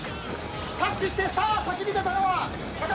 タッチしてさあ先に出たのは木君です。